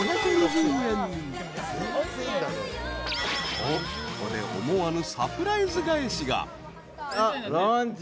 ［とここで思わぬ］